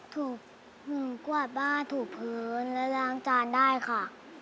ถูกหนูกวาดบ้าถูกพื้นและล้างจานได้ค่ะ